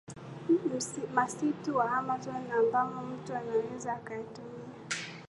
masitu wa Amazon ambamo mtu anaweza akayatumia